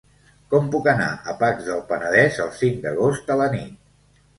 Com puc anar a Pacs del Penedès el cinc d'agost a la nit?